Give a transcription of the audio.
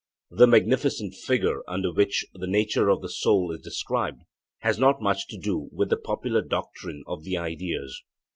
The magnificent figure under which the nature of the soul is described has not much to do with the popular doctrine of the ideas.